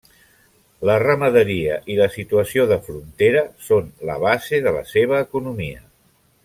La ramaderia i la situació de frontera són la base de la seva economia.